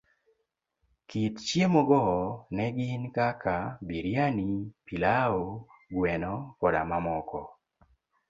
Kit chiemo go ne gin kaka biriani, pilau, gweno koda mamoko.